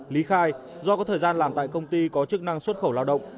lý khai do có thời gian làm tại công ty có chức năng xuất khẩu lao động